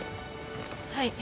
はい。